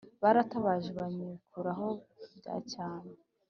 baratabaje banyirukaho bya cyane